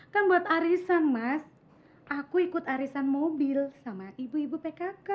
kan buat arisan mas aku ikut arisan mobil sama ibu ibu pkk